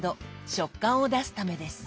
食感を出すためです。